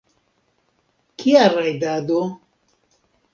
Kia rajdado?